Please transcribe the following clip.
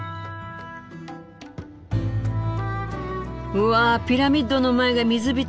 うわピラミッドの前が水浸し。